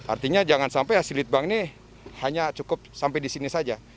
artinya jangan sampai asilitbang ini hanya cukup sampai disini saja